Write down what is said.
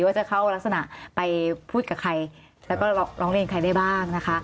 ว่าจะเข้ารักษณะไปพูดกับใครแล้วก็ร้องเรียนใครได้บ้างนะคะ